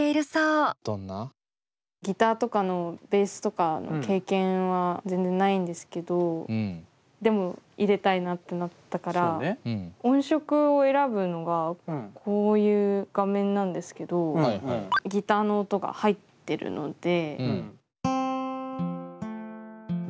ギターとかのベースとかの経験は全然ないんですけどでも入れたいなってなったから音色を選ぶのがこういう画面なんですけどギターの音が入ってるので。